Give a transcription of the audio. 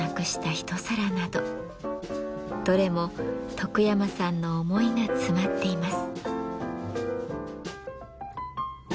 どれも徳山さんの思いが詰まっています。